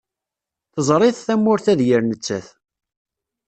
Teẓriḍ tamurt-a d yir nettat.